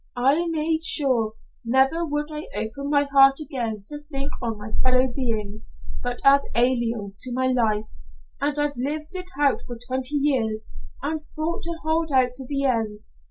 I made sure, never would I open my heart again to think on my fellow beings, but as aliens to my life, and I've lived it out for twenty years, and thought to hold out to the end.